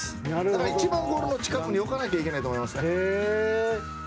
だから一番ゴールの近くに置かないといけないと思います。